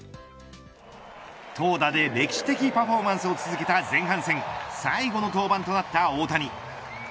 投打で歴史的パフォーマンスを続けた前半戦最後の登板となった大谷。